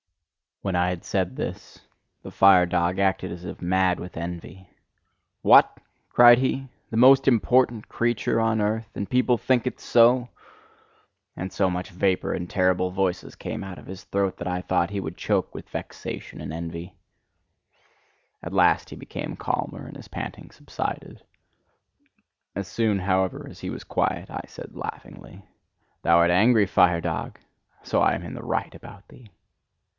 When I had said this, the fire dog acted as if mad with envy. "What!" cried he, "the most important creature on earth? And people think it so?" And so much vapour and terrible voices came out of his throat, that I thought he would choke with vexation and envy. At last he became calmer and his panting subsided; as soon, however, as he was quiet, I said laughingly: "Thou art angry, fire dog: so I am in the right about thee!